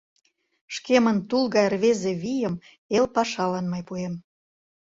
Шкемын тул гай рвезе вийым эл пашалан мый пуэм.